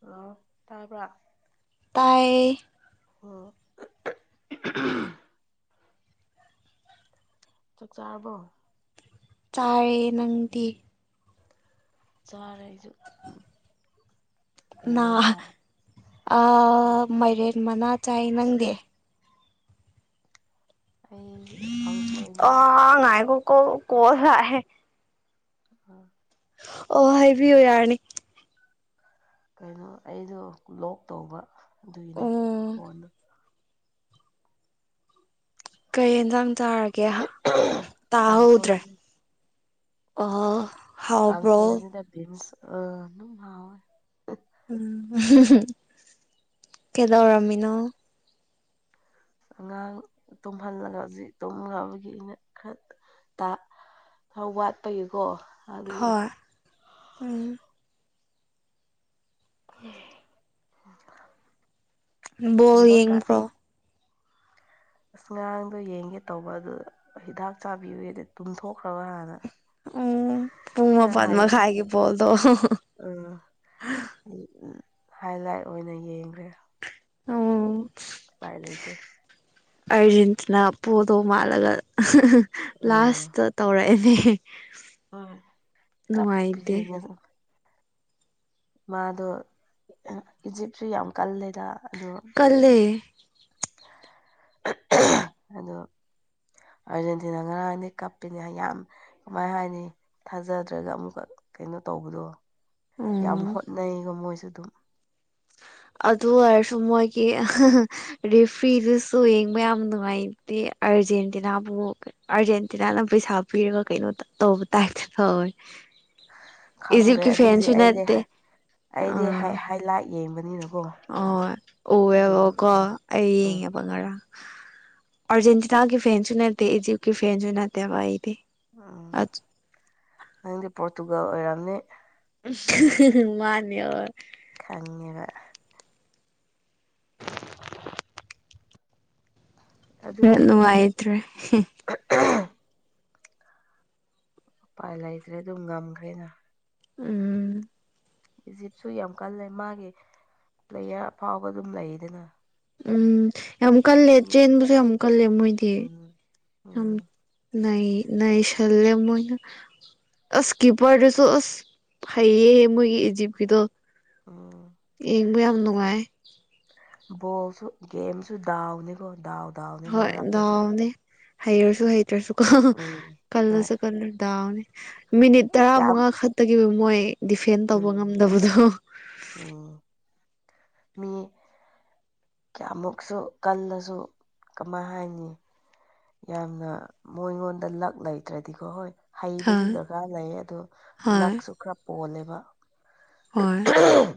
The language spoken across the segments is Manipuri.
ꯍꯜꯂꯣ ꯇꯥꯕ꯭ꯔꯥ ꯇꯥꯏꯌꯦ ꯎꯝ ꯆꯥꯛ ꯆꯥꯔꯕꯣ ꯆꯥꯔꯦ ꯅꯪꯗꯤ ꯆꯥꯔꯦ ꯑꯩꯁꯨ ꯎꯝ ꯅ ꯑꯥ ꯃꯥꯏꯔꯦꯟ ꯃꯅꯥ ꯆꯥꯏ ꯅꯪꯗꯤ ꯑꯩ ꯀꯥꯡꯁꯣꯏꯅꯤꯗ ꯃꯥ ꯉꯥꯏꯒꯣ ꯀꯣ ꯀꯣꯜꯂ ꯂꯥꯛꯑꯦꯍꯦ ꯑ ꯑꯣ ꯍꯥꯏꯕꯤꯌꯨ ꯌꯥꯔꯅꯤ ꯀꯩꯅꯣ ꯑꯩꯗꯣ ꯂꯣꯛ ꯇꯧꯕ ꯑꯗꯨꯏꯅꯦ ꯑꯣ ꯈꯣꯟꯗꯣ ꯀꯩ ꯌꯦꯟꯁꯥꯡ ꯆꯥꯔꯒꯦ ꯍꯥ ꯇꯥꯍꯧꯗ꯭ꯔꯦ ꯀꯥꯡꯁꯣꯏꯅꯦ ꯑꯣ ꯍꯣ ꯀꯥꯡꯁꯣꯏ ꯅꯠꯗ ꯕꯤꯟꯁ ꯑꯥ ꯑꯗꯨꯝ ꯍꯥꯎꯋꯦ ꯀꯩꯗꯧꯔꯝꯃꯤꯅꯣ ꯑꯉꯥꯡ ꯇꯨꯝꯍꯜꯂꯒ ꯍꯧꯖꯤꯛ ꯇꯨꯝꯈ꯭ꯔꯕꯒꯤ ꯑꯩꯅ ꯈꯔ ꯇ ꯊꯥꯎ ꯋꯥꯠꯄꯒꯤꯀꯣ ꯍꯣꯏ ꯎꯝ ꯕꯣꯜ ꯍꯟꯗꯛꯀꯥ ꯌꯦꯡꯕ꯭ꯔꯣ [unintelligible] ꯑꯁ ꯉꯔꯥꯡꯗꯣ ꯌꯦꯡꯒꯦ ꯇꯧꯕ ꯑꯗꯨ ꯍꯤꯗꯥꯛ ꯆꯥꯕꯤꯌꯣꯗ ꯇꯨꯝꯊꯣꯛꯈ꯭ꯔꯕ ꯍꯥꯟꯅ ꯎꯝ ꯄꯨꯡ ꯃꯄꯥꯟ ꯃꯈꯥꯏꯒꯤ ꯕꯣꯜꯗꯣ ꯎꯝ ꯍꯥꯏ ꯂꯥꯏꯠ ꯑꯣꯏꯅ ꯌꯦꯡꯈ꯭ꯔꯦ ꯑꯣ ꯎꯄꯥꯏ ꯂꯩꯇꯦ ꯑꯔꯖꯦꯇꯤꯅꯥ ꯄꯣꯗꯣ ꯃꯥꯜꯂꯒ ꯎꯝ ꯂꯥꯁꯇ ꯇꯧꯔꯛꯑꯦꯅꯦ ꯎꯝ ꯅꯨꯡꯉꯥꯏꯇꯦ ꯀꯞꯄꯁꯤꯗꯤ ꯑꯩꯅ ꯃꯥꯗꯣ ꯏꯖꯤꯞꯁꯨ ꯌꯥꯝ ꯀꯜꯂꯦꯗ ꯑꯗꯣ ꯀꯜꯂꯦ ꯑꯗꯣ ꯑꯥꯔꯖꯦꯟꯇꯤꯅꯥ ꯉꯔꯥꯡ ꯑꯅꯤ ꯀꯞꯄꯤꯅꯦ ꯌꯥꯝ ꯀꯃꯥꯏ ꯍꯥꯏꯅꯤ ꯊꯥꯖꯗ꯭ꯔꯒ ꯑꯃꯨꯛꯀ ꯀꯩꯅꯣ ꯇꯧꯕꯗꯣ ꯑꯗꯨ ꯎꯝ ꯍꯣꯠꯅꯩꯒꯣ ꯃꯣꯏꯁꯨ ꯑꯗꯨꯝ ꯑꯗꯨ ꯑꯣꯏꯔꯁꯨ ꯃꯣꯏꯒꯤ [unintelligible] ꯔꯦꯐ꯭ꯔꯤꯗꯨꯁꯨ ꯌꯦꯡꯕ ꯌꯥꯝ ꯅꯨꯡꯉꯥꯏꯇꯦ ꯑꯔꯖꯦꯟꯇꯤꯅꯥ ꯄꯣꯈ꯭ꯔꯦ ꯑꯥꯔꯖꯦꯟꯇꯤꯅꯥꯅ ꯄꯩꯁꯥ ꯄꯤꯔꯒ ꯀꯩꯅꯣ ꯇꯧꯕ ꯇꯥꯏꯞꯇ ꯇꯧꯋꯦ ꯈꯪꯗ꯭ꯔꯦ ꯏꯖꯤꯞꯀꯤ ꯑꯗꯨꯗꯤ ꯐꯦꯟꯁꯨ ꯑꯩꯗꯤ ꯅꯠꯇꯦ ꯍꯥꯏ ꯑꯩꯗꯤ ꯑꯥ ꯍꯥꯏ ꯍꯥꯏ ꯂꯥꯛ ꯌꯦꯡꯕꯅꯤꯅꯀꯣ ꯑꯣ ꯑꯗꯨꯝ ꯎꯋꯦꯕꯀꯣ ꯑꯩ ꯎꯝ ꯌꯦꯡꯉꯦ ꯉꯔꯥꯡ ꯑ꯭ꯔꯖꯦꯟꯇꯤꯅꯒꯤ ꯐꯦꯟꯁꯨ ꯅꯠꯇꯦ ꯏꯖꯤꯞꯀꯤ ꯐꯦꯟꯁꯨ ꯅꯠꯇꯦꯕ ꯑꯩꯗꯤ ꯎꯝ ꯅꯪꯗꯤ ꯄꯣꯔꯇꯨꯒꯜ ꯑꯣꯏꯔꯝꯅꯤ ꯍꯨ ꯍꯨꯝ ꯃꯥꯅꯦ ꯍꯣꯏ ꯈꯪꯉꯦꯕ ꯑꯗꯨ ꯅꯦꯠ ꯅꯨꯡꯉꯥꯏꯇ꯭ꯔꯦ [unintelligible] ꯎꯄꯥꯏ ꯂꯩꯇ꯭ꯔꯦ ꯑꯗꯨꯝ ꯉꯝꯈ꯭ꯔꯦꯅ ꯎꯝ ꯏꯖꯤꯞꯁꯨ ꯌꯥꯝ ꯀꯜꯂꯦ ꯃꯥꯒꯤ ꯄ꯭ꯂꯦꯌꯔ ꯑꯐꯥꯎꯕ ꯑꯗꯨꯝ ꯂꯩꯗꯅ ꯎꯝ ꯌꯥꯝ ꯀꯜꯂꯦ ꯃꯤ ꯆꯦꯟꯕꯁꯨ ꯌꯥꯝ ꯀꯜꯂꯦ ꯃꯣꯏꯗꯤ ꯎꯝ ꯌꯥꯝ ꯎꯝ ꯅꯩ ꯅꯩꯁꯜꯂꯦ ꯃꯣꯏꯅ ꯑꯁ ꯀꯤꯄ꯭ꯔꯗꯨꯁꯨ ꯑꯁ ꯍꯩꯌꯦ ꯃꯣꯏꯒꯤ ꯏꯖꯤꯞ ꯏꯖꯤꯞꯀꯤꯗꯣ ꯎꯝ ꯌꯦꯡꯕ ꯌꯥꯝ ꯅꯨꯡꯉꯥꯏ ꯕꯣꯜꯁꯨ ꯒꯦꯝꯁꯨ ꯗꯥꯎꯅꯤꯀꯣ ꯗꯥꯎ ꯗꯥꯎꯅꯤ ꯍꯣꯏ ꯃꯔꯛꯇꯗꯤ ꯗꯥꯎꯅꯦ ꯍꯩꯔꯁꯨ ꯍꯩꯇ꯭ꯔꯁꯨꯀꯣ ꯎꯝ ꯍꯣꯏ ꯀꯜꯂꯁꯨ ꯀꯜꯗꯔꯥꯁꯨ ꯗꯥꯎꯅꯦ ꯃꯤꯅꯤꯠ ꯇꯔꯥ ꯀꯌꯥꯝ ꯃꯉꯥ ꯈꯛꯇꯒꯤ ꯃꯣꯏ ꯗꯤꯐꯦꯟ ꯇꯧꯕ ꯎꯝ ꯉꯝꯗꯕꯗꯣ ꯎꯝ ꯃꯤ ꯀꯌꯥꯃꯨꯛꯁꯨ ꯀꯜꯂꯁꯨ ꯀꯃꯥꯏ ꯍꯥꯏꯅꯤ ꯌꯥꯝꯅ ꯃꯣꯏꯉꯣꯟꯗ ꯂꯛ ꯂꯩꯇ꯭ꯔꯗꯤꯀꯣ ꯍꯣꯏ ꯍꯥ ꯍꯩꯕꯖꯨ ꯗꯔꯀꯥꯔ ꯂꯩꯌꯦ ꯑꯗꯣ ꯍꯣꯏ ꯂꯛꯁꯨ ꯈꯔ ꯄꯣꯜꯂꯦꯕ ꯍꯣꯏ ꯑꯍꯝ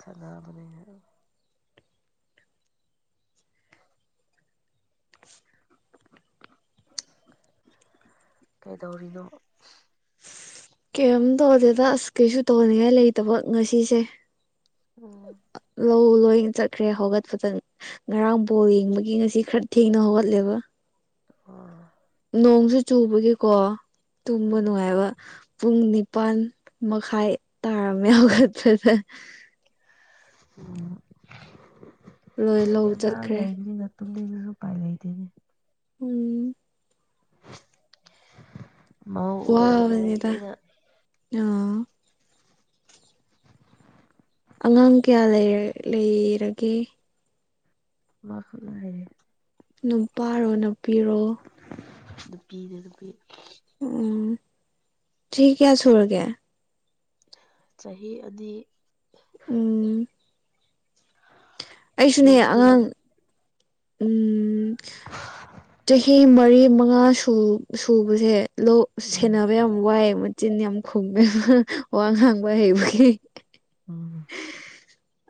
ꯁꯥꯟꯅꯕꯅꯦꯅ ꯀꯩꯗꯧꯔꯤꯅꯣ ꯀꯩꯝ ꯇꯧꯗꯦꯗ ꯑꯁ ꯀꯩꯁꯨ ꯇꯧꯅꯤꯡꯉꯥꯏ ꯂꯩꯇꯕ ꯉꯁꯤꯁꯦ ꯎꯝ ꯂꯧ ꯂꯣꯏꯅ ꯆꯠꯈ꯭ꯔꯦ ꯍꯧꯒꯠꯄꯗ ꯉꯔꯥꯡ ꯕꯣꯜ ꯌꯦꯡꯕꯒꯤ ꯉꯁꯤ ꯈꯔ ꯊꯦꯡꯅ ꯍꯧꯒꯠꯂꯦꯕ ꯑꯣ ꯅꯣꯡꯁꯨ ꯆꯨꯕꯒꯤꯀꯣ ꯇꯨꯝꯕ ꯅꯨꯡꯉꯥꯏꯕ ꯄꯨꯡ ꯅꯤꯄꯥꯟ ꯃꯈꯥꯏ ꯇꯥꯔꯝꯃꯦ ꯍꯧꯒꯠꯄꯗ ꯎꯗ ꯂꯣꯏ ꯁꯤꯗꯗꯤ ꯂꯧ ꯑꯉꯥꯡ ꯆꯠꯈ꯭ꯔꯦ ꯂꯩꯕꯅꯤꯅ ꯇꯨꯝꯅꯤꯡꯉꯁꯨ ꯎꯄꯥꯏ ꯂꯩꯇꯦꯅꯦ ꯎꯝ ꯃꯧ ꯋꯥꯕꯅꯤꯗ ꯑꯣꯏꯔꯨꯔꯕꯅꯤꯅ ꯑꯥ ꯑꯉꯥꯡ ꯀꯌꯥ ꯂꯩꯔꯂꯩꯔꯒꯦ ꯃꯥ ꯈꯛ ꯂꯩꯌꯦ ꯅꯨꯄꯥꯔꯣ ꯅꯨꯄꯤꯔꯣ ꯅꯨꯄꯤꯅꯦ ꯅꯨꯄꯤ ꯎꯝ ꯆꯍꯤ ꯀꯌꯥ ꯁꯨꯔꯒꯦ ꯆꯍꯤ ꯑꯅꯤ ꯎꯝ ꯑꯩꯁꯨꯅꯦ ꯒꯦꯞꯇꯨꯗ ꯑꯉꯥꯡ ꯎꯝ ꯆꯍꯤ ꯃ ꯃꯔꯤ ꯃꯉꯥ ꯁꯨ ꯁꯨꯕꯁꯦ ꯂꯧ ꯎꯝ ꯁꯦꯟꯅꯕ ꯌꯥꯝ ꯋꯥꯏꯌꯦꯕ ꯆꯤꯟ ꯌꯥꯝ ꯈꯨꯝꯃꯦ ꯋꯥ ꯉꯥꯡꯕ ꯍꯩꯕꯒꯤ ꯎꯝ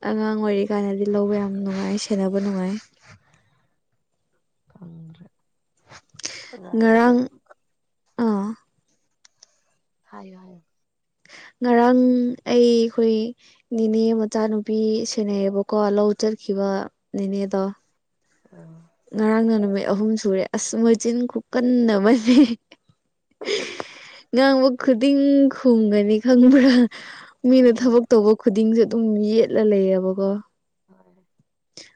ꯑꯉꯥꯡ ꯑꯣꯏꯔꯤ ꯀꯥꯟꯗꯗꯤ ꯂꯧꯕ ꯌꯥꯝ ꯅꯨꯡꯉꯥꯏ ꯁꯦꯟꯅꯕ ꯅꯨꯡꯉꯥꯏ ꯈꯪꯗ꯭ꯔꯦ [unintelligible] ꯉꯔꯥꯡ ꯑꯥ ꯍꯥꯏꯌꯨ ꯍꯥꯏꯌꯣ ꯉꯔꯥꯡ ꯑꯩ ꯑꯩꯈꯣꯏ ꯅꯦꯅꯦ ꯃꯆꯥꯅꯨꯄꯤ ꯁꯦꯟꯅꯩꯌꯦꯕꯀꯣ ꯂꯧ ꯆꯠꯈꯤꯕ ꯅꯦꯅꯦꯗꯣ ꯑꯥ ꯉꯔꯥꯡꯅ ꯅꯨꯃꯤꯠ ꯑꯍꯨꯝ ꯁꯨꯔꯦ ꯑꯁ ꯃꯆꯤꯟ ꯈꯨꯀꯟ ꯑꯃꯅꯦ ꯉꯥꯡꯕ ꯈꯨꯗꯤꯡ ꯈꯨꯝꯒꯅꯤ ꯈꯪꯕ꯭ꯔꯥ ꯃꯤꯅ ꯊꯕꯛ ꯇꯧꯕ ꯈꯨꯗꯤꯡꯁꯦ ꯑꯗꯨꯝ ꯌꯦꯠꯔ ꯂꯩꯌꯦꯕꯀꯣ ꯍꯣꯏ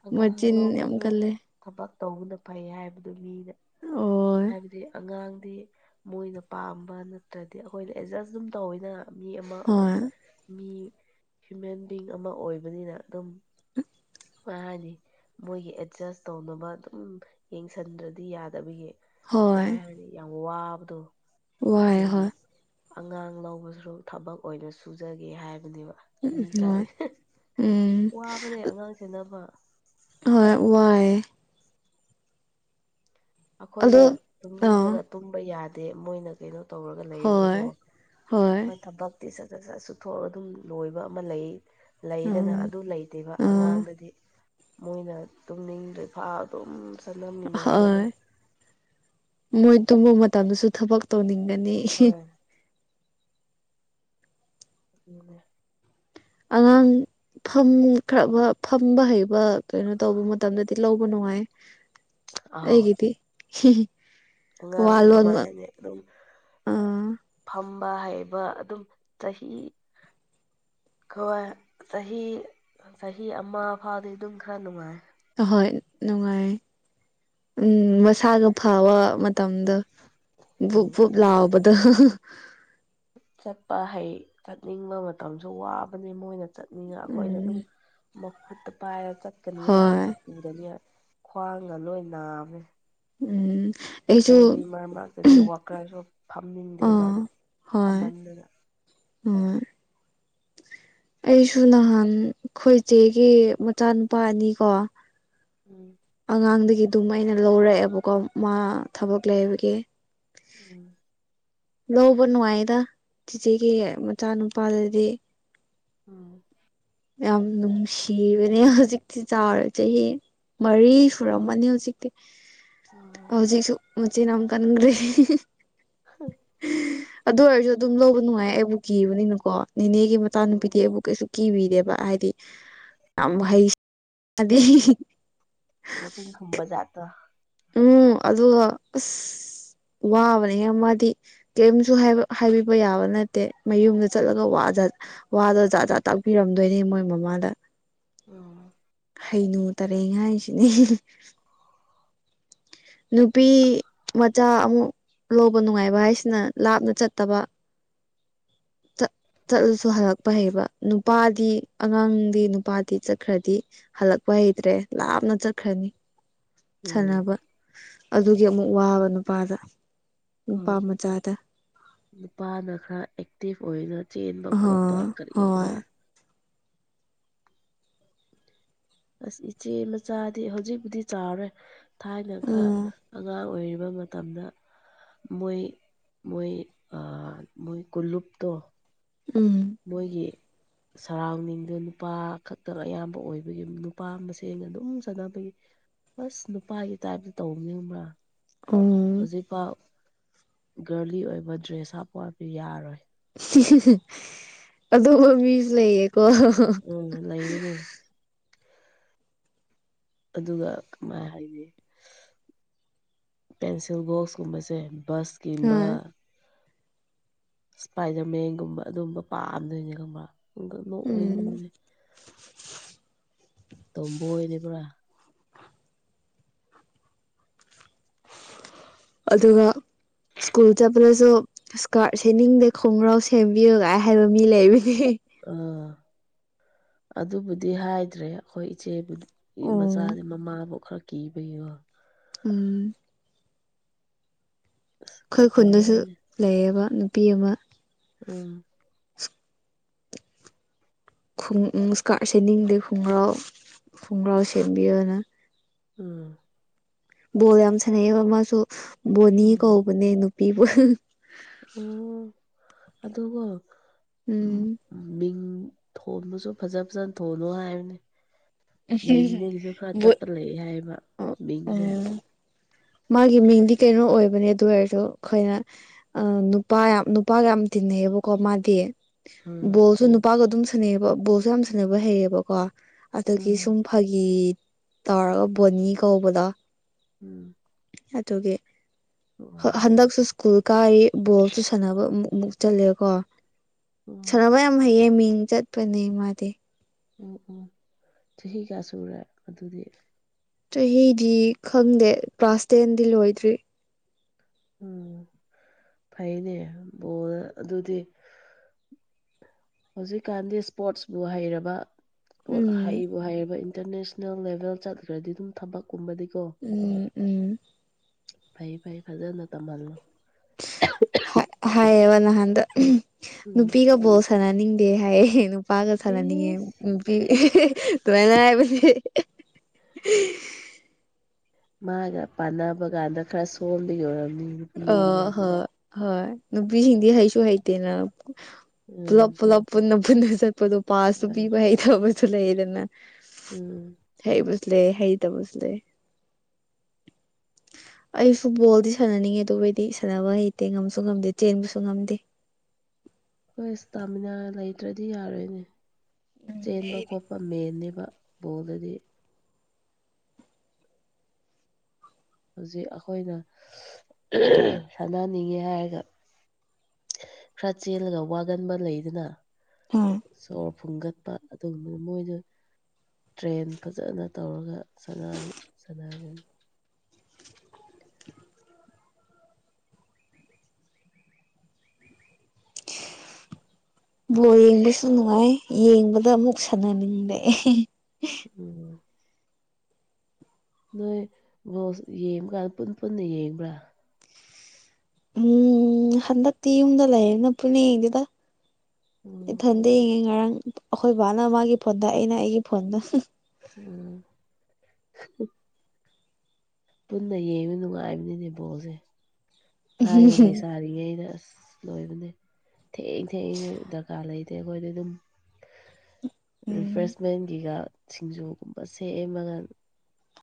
ꯑꯉꯥꯡ ꯃꯆꯤꯟ ꯌꯥꯝ ꯂꯧꯕꯁꯨ ꯀꯜꯂꯦ ꯊꯕꯛ ꯇꯧꯕꯅ ꯐꯩ ꯍꯥꯏꯕꯗꯨ ꯃꯤꯅ ꯑꯣꯏ ꯍꯥꯏꯕꯗꯤ ꯑꯉꯥꯡꯗꯤ ꯃꯣꯏꯅ ꯄꯥꯝꯕ ꯅꯠꯇ꯭ꯔꯗꯤ ꯑꯩꯈꯣꯏꯅ ꯑꯦꯗꯖꯁ ꯑꯗꯨꯝ ꯇꯧꯋꯦꯗꯅ ꯃꯤ ꯑꯃ ꯍꯣꯏ ꯃꯤ ꯍ꯭ꯌꯨꯃꯦꯟ ꯕꯤꯡ ꯑꯃ ꯑꯣꯏꯕꯅꯤꯅ ꯑꯗꯨꯝ ꯎꯝ [inaudible] ꯃꯥꯅꯤ ꯃꯣꯏꯒꯤ ꯑꯦꯠꯖꯁ ꯇꯧꯅꯕ ꯑꯗꯨꯝ ꯌꯦꯡꯁꯟꯗ꯭ꯔꯗꯤ ꯌꯥꯗꯕꯒꯤ ꯍꯣꯏ ꯀꯃꯥꯏꯅ ꯍꯥꯏꯅꯤ ꯌꯥꯝ ꯋꯥꯕꯗꯣ ꯋꯥꯏ ꯑꯗꯨꯒꯤ ꯍꯣꯏ ꯑꯉꯥꯡ ꯂꯧꯕꯁꯨ ꯊꯕꯛ ꯑꯣꯏꯅ ꯁꯨꯖꯒꯦ ꯍꯥꯏꯕꯅꯦꯕ ꯎꯝ ꯃꯤ ꯍꯣꯏ ꯈꯔꯗꯤ ꯎꯝ ꯋꯥꯕꯅꯦ ꯑꯉꯥꯡ ꯁꯦꯟꯅꯕ ꯍꯣꯏ ꯋꯥꯏꯌꯦ ꯑꯗꯣ ꯑꯩꯈꯣꯏꯅ ꯑꯥ ꯇꯨꯝꯅꯤꯡꯉꯒ ꯇꯨꯝꯕ ꯌꯥꯗꯦ ꯃꯣꯏꯅ ꯀꯩꯅꯣ ꯇꯧꯔꯒ ꯂꯩꯔꯗꯤꯀꯣ ꯍꯣꯏ ꯍꯣꯏ ꯊꯕꯛ ꯇꯤ ꯁꯠ ꯁꯠ ꯁꯠ ꯁꯨꯊꯣꯛꯑꯒ ꯑꯗꯨꯝ ꯂꯣꯏꯕ ꯑꯃ ꯂꯩ ꯂꯩꯗꯅ ꯎꯝ ꯑꯗꯨ ꯂꯩꯇꯦꯕ ꯎꯝ ꯑꯉꯥꯡꯗꯗꯤ ꯃꯣꯏꯅ ꯇꯨꯝꯅꯤꯡꯗꯔꯤꯐꯥꯎ ꯑꯗꯨꯝ ꯁꯥꯅꯃꯤꯟꯅꯔꯒ ꯑꯗꯨꯝ ꯍꯣꯏ ꯃꯣꯏ ꯇꯨꯝꯕ ꯃꯇꯝꯗꯁꯨ ꯊꯕꯛ ꯇꯧꯅꯤꯡꯒꯅꯤ ꯍꯣꯏ ꯑꯗꯨꯅꯦ ꯑꯉꯥꯡ [inaudible] ꯐꯝ ꯈ꯭ꯔꯕ ꯐꯝꯕ ꯍꯩꯕ ꯀꯩꯅꯣ ꯇꯧꯕ ꯃꯇꯝꯗꯗꯤ ꯂꯧꯕ ꯅꯨꯡꯉꯥꯏ ꯑꯥꯎ ꯑꯩꯒꯤꯗꯤ ꯑꯉꯥꯡ ꯋꯥ ꯀꯃꯥꯏ ꯂꯣꯟꯕ ꯍꯥꯏꯅꯤ ꯑꯗꯨꯝ ꯑꯥ ꯐꯝꯕ ꯍꯩꯕ ꯑꯗꯨꯝ ꯆꯍꯤ ꯍꯣꯏ ꯆꯍꯤ ꯆꯍꯤ ꯑꯃ ꯐꯥꯎꯗꯤ ꯑꯗꯨꯝ ꯈꯔ ꯅꯨꯡꯉꯥꯏ ꯑꯍꯣꯏ ꯅꯨꯡꯉꯥꯏ ꯎꯝ ꯃꯁꯥꯒ ꯐꯕ ꯃ ꯇꯝꯗꯣ ꯕꯨꯛ ꯎꯝ ꯕꯨꯛ ꯑꯗꯨꯒ ꯂꯥꯎꯕꯗꯣ ꯆꯠꯄ ꯍꯩ ꯆꯠꯅꯤꯡꯕ ꯃꯇꯝꯁꯨ ꯋꯥꯕꯅꯦ ꯃꯣꯏꯅ ꯆꯠꯅꯤꯡꯉ ꯑꯩꯈꯣꯏꯅ ꯑꯗꯨꯝ ꯎꯝ ꯃꯈꯨꯠꯇ ꯄꯥꯏꯔ ꯆꯠꯀꯅꯤꯅ ꯍꯣꯏ ꯑꯗꯒꯤ ꯈ꯭ꯋꯥꯡꯒ ꯂꯣꯏ ꯅꯥꯕꯨ ꯎꯝ ꯑꯩꯁꯨ ꯃꯣꯏꯗꯤ ꯃꯔꯛ ꯃꯔꯛꯇꯗꯤ ꯋꯥꯀꯔꯁꯨ ꯐꯝꯅꯤꯡꯗꯦꯕ ꯑꯥ ꯍꯣꯏ ꯐꯝꯃꯟꯗꯅ ꯎꯝ ꯑꯩꯁꯨ ꯅꯍꯥꯟ ꯑꯈꯣꯏ ꯆꯦꯒꯤ ꯃꯆꯥꯅꯨꯄꯥ ꯑꯅꯤꯀꯣ ꯎꯝ ꯑꯉꯥꯡꯗꯒꯤ ꯗꯨꯝ ꯑꯩꯅ ꯂꯧꯔꯛꯑꯦꯕꯀꯣ ꯃꯥ ꯊꯕꯛ ꯂꯩꯕꯒꯤ ꯎꯝ ꯂꯧꯕ ꯅꯨꯡꯉꯥꯏꯌꯦꯗ ꯆꯤꯆꯦꯒꯤ ꯃꯆꯥꯅꯨꯄꯥꯗꯗꯤ ꯑꯧ ꯌꯥꯝ ꯅꯨꯡꯁꯤꯕꯅꯦ ꯍꯧꯖꯤꯛꯇꯤ ꯆꯥꯎꯔꯦ ꯆꯍꯤ ꯃꯔꯤ ꯁꯨꯔꯝꯃꯅꯤ ꯍꯧꯖꯤꯛꯇꯤ ꯑꯥ ꯎꯝ ꯍꯧꯖꯤꯛꯁꯨ ꯃꯆꯤꯟ ꯌꯝ ꯀꯟꯒ꯭ꯔꯤ ꯑꯗꯨ ꯑꯣꯏꯔꯁꯨ ꯑꯗꯨꯝ ꯂꯧꯕ ꯅꯨꯡꯉꯥꯏꯌꯦ ꯑꯩꯕꯨ ꯀꯤꯕꯅꯤꯅꯀꯣ ꯅꯦꯅꯦꯒꯤ ꯎꯝ ꯃꯆꯥꯅꯨꯄꯤꯗꯤ ꯑꯩꯕꯨ ꯀꯩꯁꯨ ꯀꯤꯕꯤꯗꯦꯕ ꯍꯥꯏꯗꯤ ꯌꯥꯝ ꯍꯩ ꯑꯗꯤ ꯃꯆꯤꯟ ꯈꯨꯝꯕ ꯖꯥꯠꯇꯣ ꯎꯝ ꯑꯗꯨꯒ ꯑꯁ ꯋꯥꯕꯅꯤꯍꯦ ꯃꯥꯗꯤ ꯀꯩꯝꯁꯨ ꯍꯥꯏꯕ ꯍꯥꯏꯕꯤꯕ ꯌꯥꯕ ꯅꯠꯇꯦ ꯃꯌꯨꯝꯗ ꯆꯠꯂꯒ ꯋꯥꯖ ꯋꯥꯗꯣ ꯖꯥꯠ ꯖꯥꯠ ꯇꯥꯛꯄꯤꯔꯝꯗꯣꯏꯅꯦ ꯃꯣꯏ ꯃꯃꯥꯗ ꯑꯣ ꯍꯩꯅꯨ ꯇꯔꯦꯡ ꯍꯥꯏꯖꯤꯅꯦ ꯅꯨꯄꯤ ꯃꯆꯥ ꯑꯃꯨꯛ ꯂꯧꯕ ꯅꯨꯡꯉꯥꯏꯕ ꯍꯥꯏꯁꯤꯅ ꯂꯥꯞꯅ ꯆꯠꯇꯕ ꯆꯠꯂꯁꯨ ꯍꯜꯂꯛꯄ ꯍꯩꯕ ꯅꯨꯄꯥꯗꯤ ꯑꯉꯥꯡꯗꯤ ꯅꯨꯄꯥꯗꯤ ꯆꯠ ꯈꯔꯗꯤ ꯍꯜꯂꯛꯄ ꯍꯩꯇ꯭ꯔꯦ ꯂꯥꯞꯅ ꯆꯠꯈ꯭ꯔꯅꯤ ꯎꯝ ꯁꯥꯟꯅꯕ ꯑꯗꯨꯒꯤ ꯑꯃꯨꯛ ꯋꯥꯕ ꯅꯨꯄꯥꯗ ꯅꯨꯄꯥ ꯃꯆꯥꯗ ꯅꯨꯄꯥꯅ ꯈꯔ ꯑꯦꯛꯇꯤꯚ ꯑꯣꯏꯅ ꯆꯦꯟꯕ ꯑ ꯈꯣꯠꯄ ꯀꯔꯤ ꯀꯔꯥ ꯍꯣꯏ ꯑꯁ ꯏꯆꯦ ꯃꯆꯥꯗꯤ ꯍꯧꯖꯤꯛꯄꯨꯗꯤ ꯆꯥꯎꯔꯦ ꯊꯥꯏꯅ ꯈꯔ ꯎꯝ ꯑꯉꯥꯡ ꯑꯣꯏꯔꯤꯕ ꯃꯇꯝꯗ ꯃꯣꯏ ꯃꯣꯏ ꯑꯥ ꯃꯣꯏ ꯀꯨꯜꯂꯨꯨꯞꯇꯣ ꯎꯝ ꯃꯣꯏꯒꯤ ꯁꯔꯥꯎꯟꯗꯤꯡꯗ ꯅꯨꯄꯥ ꯈꯛꯇꯅ ꯑꯌꯥꯝꯕ ꯑꯣꯏꯕꯒꯤ ꯅꯨꯄꯥ ꯃꯁꯦꯟ ꯑꯗꯨꯝ ꯁꯥꯅꯕꯒꯤ ꯕꯁ ꯅꯨꯄꯥꯒꯤ ꯇꯥꯏꯞꯇ ꯇꯧꯅꯤꯡꯕ ꯎꯝ ꯍꯧꯖꯤꯛꯐꯥꯎ ꯒꯥꯔꯂꯤ ꯑꯣꯏꯕ ꯗ꯭ꯔꯦꯁ ꯍꯥꯞꯄꯣ ꯍꯥꯏꯕ ꯌꯥꯔꯣꯏ ꯑꯗꯨꯝꯕ ꯃꯤꯖꯨ ꯂꯩꯌꯦꯀꯣ ꯎꯝ ꯂꯩꯕꯅꯦ ꯑꯗꯨꯒ ꯀꯃꯥꯏ ꯍꯥꯏꯅꯤ ꯄꯦꯟꯁꯤꯜ ꯕꯣꯛꯁꯀꯨꯝꯕꯁꯦ ꯕꯁꯀꯤꯝꯕ ꯍꯣꯏ ꯏꯁꯄꯥꯏꯗꯔ ꯃꯦꯟꯒꯨꯝꯕ ꯑꯗꯨꯝꯕ ꯄꯥꯝꯗꯣꯏꯅꯦ ꯈꯪꯕ꯭ꯔ ꯑꯗꯨ ꯎꯝ ꯅꯣꯛꯅꯤꯡꯕꯅꯦ ꯇꯣꯝꯕꯣꯏꯅꯦꯕ꯭ꯔꯥ ꯑꯗꯨꯒ ꯁ꯭ꯀꯨꯜ ꯆꯠꯄꯗꯁꯨ ꯏꯁꯀꯥꯔꯠ ꯁꯦꯅꯤꯡꯗꯦ ꯈꯣꯡꯒ꯭ꯔꯥꯎ ꯁꯦꯝꯕꯤꯌꯨ ꯒꯥꯏ ꯍꯥꯏꯕ ꯃꯤ ꯂꯩꯕꯅꯤ ꯑꯥ ꯑꯗꯨꯕꯨꯗꯤ ꯍꯥꯏꯗ꯭ꯔꯦ ꯑꯩꯈꯣꯏ ꯏꯆꯦꯕꯨ ꯃꯤ ꯑꯣ ꯎꯝ ꯃꯆꯥꯗꯤ ꯃꯃꯥꯕꯨ ꯈꯔ ꯀꯤꯕꯒꯤꯒꯣ ꯎꯝ ꯑꯁ ꯈꯣꯏ ꯈꯨꯟꯗꯁꯨ ꯇꯣꯝꯕꯣꯏꯅꯦ ꯂꯩꯌꯦꯕ ꯅꯨꯄꯤ ꯑꯃ ꯎꯝ ꯈꯨꯡ ꯎꯝ ꯏꯁꯀ꯭ꯔꯠ ꯁꯦꯠꯅꯤꯡꯗꯦ ꯈꯨꯡꯒ꯭ꯔꯥꯎ ꯈꯣꯡꯒ꯭ꯔꯥꯎ ꯁꯦꯝꯕꯤꯌꯣꯅ ꯎꯝ ꯕꯣꯜ ꯌꯥꯝ ꯁꯥꯟꯅꯩꯌꯦꯕ ꯃꯥꯁꯨ ꯕꯣꯅꯤ ꯀꯧꯕꯅꯦ ꯅꯨꯄꯤꯕꯨ ꯑꯣ ꯑꯗꯨꯒꯣ ꯎꯝ ꯃꯤꯡ ꯊꯣꯟꯕꯁꯨ ꯐꯖ ꯐꯖꯅ ꯊꯣꯜꯂꯣ ꯍꯥꯏꯕꯅꯦ ꯃꯤꯡꯗꯒꯤꯁꯨ ꯈꯔ ꯕꯨꯠ ꯆꯠꯄ ꯂꯩ ꯍꯥꯏꯕ ꯑꯣ ꯃꯤꯡꯖꯦ ꯃꯥꯒꯤ ꯃꯤꯡꯗꯤ ꯀꯩꯅꯣ ꯑꯣꯏꯕꯅꯦ ꯑꯗꯨ ꯑꯣꯏꯔꯁꯨ ꯑꯩꯈꯣꯏꯅ ꯑꯥ ꯅꯨꯄꯥ ꯌꯥꯝ ꯅꯨꯄꯥꯒ ꯌꯥꯝ ꯇꯤꯟꯅꯩꯌꯦꯕꯀꯣ ꯃꯥꯗꯤ ꯎꯝ ꯕꯣꯜꯁꯨ ꯅꯨꯄꯥꯒ ꯑꯗꯨꯝ ꯁꯥꯟꯅꯩꯌꯦꯕ ꯕꯣꯜꯁꯨ ꯌꯥꯝ ꯁꯥꯟꯅꯕ ꯍꯩꯌꯦꯕꯀꯣ ꯑꯗꯨꯒꯤ ꯎꯝ ꯁꯨꯝ ꯐꯥꯒꯤ ꯇꯧꯔꯥ ꯕꯣꯅꯤ ꯀꯧꯕꯗꯣ ꯎꯝ ꯑꯗꯨꯒꯤ ꯍ ꯎꯝ ꯍꯟꯗꯛꯁꯨ ꯁ꯭ꯀꯨꯜ ꯀꯥꯏ ꯕꯣꯜꯁꯨ ꯁꯥꯟꯅꯕ ꯑꯃꯨꯛꯃꯨꯛ ꯆꯠꯂꯦꯀꯣ ꯎꯝ ꯁꯥꯟꯅꯕ ꯌꯥꯝ ꯍꯩꯌꯦ ꯃꯤꯡ ꯆꯠꯄꯅꯦ ꯃꯥꯗꯤ ꯎꯝ ꯎꯝ ꯆꯍꯤ ꯀꯌꯥ ꯁꯨꯔꯦ ꯑꯗꯨꯗꯤ ꯆꯍꯤꯗꯤ ꯈꯪꯗꯦ ꯀ꯭ꯂꯥꯁ ꯇꯦꯟꯗꯤ ꯂꯣꯏꯗ꯭ꯔꯤ ꯎꯝ ꯐꯩꯅꯦ ꯕꯣꯜ ꯑꯗꯨꯗꯤ ꯍꯧꯖꯤꯛꯀꯥꯟꯗꯤ ꯁ꯭ꯄꯣꯔꯠꯁꯕꯨ ꯍꯩꯔꯕ ꯎꯝ ꯍꯩꯕꯨ ꯍꯩꯔꯕ ꯏꯟꯇꯔꯅꯦꯁ ꯅꯦꯜ ꯂꯦꯚꯦꯜ ꯆꯠꯈ꯭ꯔꯗꯤ ꯑꯗꯨꯝ ꯊꯕꯛꯀꯨꯝꯕꯗꯤꯀꯣ ꯎꯝ ꯎꯝ ꯐꯩ ꯐꯩ ꯐꯖꯅ ꯇꯝꯍꯜꯂꯣ ꯍꯥꯏꯌꯦꯕ ꯅꯍꯥꯟꯗꯣ ꯎꯝ ꯅꯨꯄꯤꯒ ꯕꯣꯜ ꯁꯥꯟꯅꯅꯤꯡꯗꯦ ꯍꯥꯏꯌꯦ ꯅꯨ ꯄꯥꯒ ꯁꯥꯟꯅꯅꯤꯡꯉꯦ ꯏꯁ ꯅꯨꯄꯤ ꯗꯨꯃꯥꯏꯅ ꯍꯥꯏꯕ [unintelligible] [unintelligible] ꯃꯥꯒ ꯄꯥꯟꯅꯕ ꯀꯥꯟꯗ ꯈꯔ ꯁꯣꯟꯕꯒꯤ ꯑꯣꯏꯔꯝꯅꯤ ꯅꯨꯄꯤꯁꯤꯡꯅꯦ ꯑꯣ ꯍꯣ ꯍꯣꯏ ꯅꯨꯄꯤꯁꯤꯡꯗꯤ ꯍꯩꯁꯨ ꯍꯩꯇꯦꯅꯥ ꯎꯝ ꯄꯨꯂꯞ ꯄꯨꯂꯞ ꯄꯨꯟꯅ ꯄꯨꯟꯅ ꯆꯠꯄꯗꯣ ꯄꯥꯁꯁꯨ ꯍꯣꯏ ꯄꯤꯕ ꯍꯩꯇꯕꯁꯨ ꯂꯩꯌꯦꯗꯅ ꯎꯝ ꯍꯩꯕ [unintelligible] ꯂꯩ ꯍꯩꯇꯕꯁꯨ ꯂꯩ ꯑꯩꯁꯨ ꯕꯣꯜꯗꯤ ꯁꯥꯟꯅꯅꯤꯡꯉꯤ [unintelligible] ꯑꯩꯗꯤ ꯁꯥꯟꯅꯕ ꯍꯩꯇꯦ ꯉꯝꯁꯨ ꯉꯝꯗꯦ ꯆꯦꯟꯕꯁꯨ ꯉꯝꯗꯦ ꯍꯣꯏ ꯁ꯭ꯇꯥꯃꯤꯅꯥ ꯂꯩꯇ꯭ꯔꯗꯤ ꯌꯥꯔꯣꯏꯅꯦ ꯆꯦꯟꯕ ꯑꯩꯗꯤ ꯈꯣꯠ ꯄ ꯃꯦꯟꯅꯦꯕ ꯕꯣꯜꯗꯗꯤ ꯍꯧꯖꯤꯛ ꯑꯈꯣꯏꯅ ꯁꯥꯟꯅ ꯅꯤꯡꯉꯦ ꯍꯥꯏꯔꯒ ꯈꯔ ꯆꯦꯜꯂꯒ ꯋꯥꯒꯟꯕ ꯂꯩꯗꯅꯥ ꯎꯝ ꯁꯣꯔ ꯐꯨꯟꯒꯠꯄ [unintelligible] ꯃꯣꯏꯗ ꯇ꯭ꯔꯦꯟ ꯐꯖꯅ ꯇꯧꯔꯒ ꯁꯥꯅ [unintelligible] ꯁꯥꯅꯒꯅꯤ ꯕꯣꯜ ꯌꯦꯡꯕꯁꯨ ꯅꯨꯡꯉꯥꯏ ꯌꯦꯡꯕꯗ ꯑꯃꯨꯛ ꯁꯥꯟꯅꯅꯤꯡ [unintelligible] ꯎꯝ ꯅꯣꯏ ꯕꯣꯜꯁ ꯌꯦꯡꯕ ꯀꯥꯟ ꯄꯨꯟ ꯄꯨꯟꯅ ꯌꯦꯡꯕ꯭ꯔꯥ ꯎꯝ ꯍꯟꯗꯛꯇꯤ ꯌꯨꯝꯗ ꯂꯩꯌꯦꯅ ꯄꯨꯟꯅ ꯌꯦꯡꯗꯦꯗ ꯎꯝ ꯏꯊꯟ [unintelligible] ꯉꯔꯥꯡ ꯑꯩꯈꯣꯏ ꯕꯥꯅ ꯃꯥꯒꯤ ꯐꯣꯟꯗ ꯑꯩꯅ ꯑꯩꯒꯤ ꯐꯣꯟꯗ ꯎꯝ ꯄꯨꯟꯅ ꯌꯦꯡꯕ ꯅꯨꯡꯉꯥꯏꯕꯅꯤꯅꯦ ꯕꯣꯜꯖꯦ ꯊꯥꯏꯅ ꯂꯩꯁꯥꯔꯤ ꯉꯩꯗ ꯑꯁ ꯂꯣꯏꯕꯅꯦ ꯊꯦꯡ ꯊꯦꯡꯅ ꯗꯔꯀꯥꯔ ꯂꯩꯇꯦ ꯑꯈꯣꯏꯗꯤ ꯑꯗꯨꯝ ꯎꯝ ꯔꯤꯐ꯭ꯔꯦꯁꯃꯦꯟꯒꯤꯒ ꯁꯤꯡꯖꯨꯒꯨꯝꯕ ꯁꯦꯝꯃꯒ